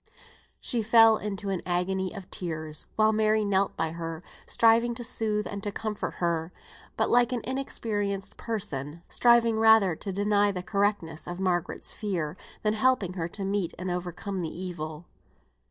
She fell into an agony of tears, while Mary knelt by her, striving to soothe and to comfort her; but, like an inexperienced person, striving rather to deny the correctness of Margaret's fear, than helping her to meet and overcome the evil.